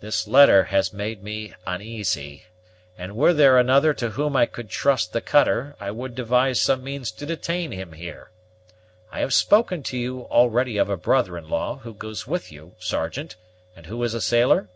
This letter has made me uneasy; and, were there another to whom I could trust the cutter, I would devise some means to detain him here. I have spoken to you already of a brother in law, who goes with you, Sergeant, and who is a sailor?"